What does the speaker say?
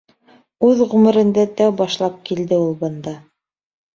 Үҙ ғүмерендә тәү башлап килде ул бында.